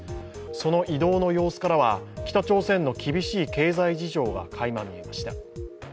その移動の様子からは北朝鮮の厳しい経済事情がかいま見えました。